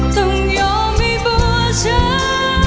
ต้องยอมให้บัวเช้า